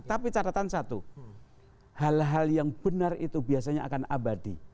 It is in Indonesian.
tapi catatan satu hal hal yang benar itu biasanya akan abadi